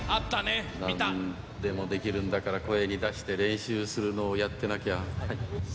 なんでもできるんだから、声に出して練習するのをやってなきゃ。